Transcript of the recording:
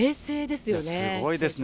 すごいですね。